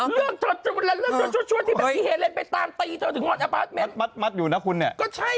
เรื่องเถอะที่แปปทีเฮเล